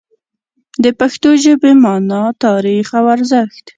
د پښتو ژبې مانا، تاریخ او ارزښت